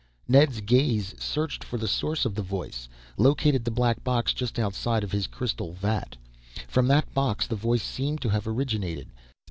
Ned's gaze searched for the source of the voice located the black box just outside of his crystal vat. From that box the voice seemed to have originated.